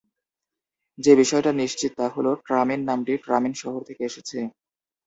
যে-বিষয়টা নিশ্চিত তা হল, "ট্রামিন" নামটি ট্রামিন শহর থেকে এসেছে।